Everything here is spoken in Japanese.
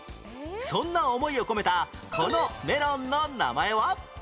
そんな思いを込めたこのメロンの名前は？